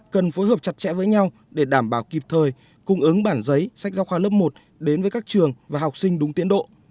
cần phối hợp chặt chẽ với nhau để đảm bảo kịp thời cung ứng bản giấy sách giáo khoa lớp một đến với các trường và học sinh đúng tiến độ